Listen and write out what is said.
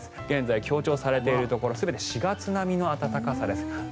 現在、強調されているところ全て４月並みの暖かさです。